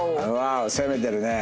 攻めてるね。